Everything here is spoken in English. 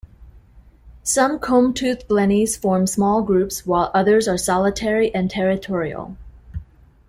Some combtooth blennies form small groups, while others are solitary and territorial.